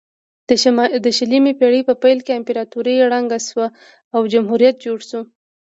د شلمې پیړۍ په پیل کې امپراتوري ړنګه شوه او جمهوریت جوړ شو.